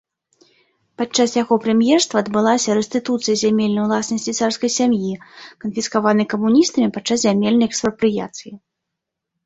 Падчас яго прэм'ерства адбылася рэстытуцыя зямельнай уласнасці царскай сям'і, канфіскаванай камуністамі падчас зямельнай экспрапрыяцыі.